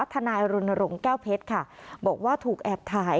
ทนายรณรงค์แก้วเพชรค่ะบอกว่าถูกแอบถ่าย